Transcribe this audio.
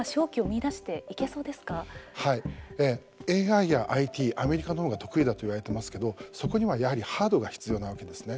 ＡＩやＩＴアメリカのほうが得意だといわれてますけどそこには、やはりハードが必要なわけですね。